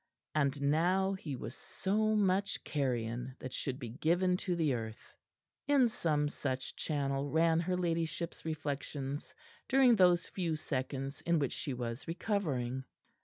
And now he was so much carrion that should be given to the earth. In some such channel ran her ladyship's reflections during those few seconds in which she was recovering.